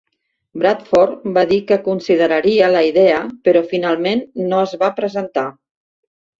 Bradford va dir que consideraria la idea, però finalment no es va presentar.